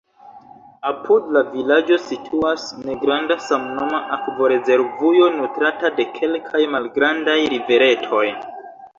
Apud la vilaĝo situas negranda samnoma akvorezervujo, nutrata de kelkaj malgrandaj riveretoj.